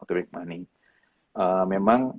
untuk make money memang